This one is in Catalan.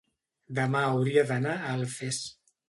demà hauria d'anar a Alfés.